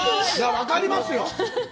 分かりますよ。